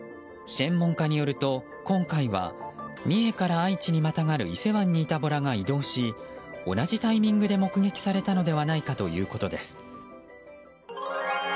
専門家によると今回は、三重から愛知にまたがる伊勢湾にいたボラが移動し同じタイミングで目撃されたのではないかということです。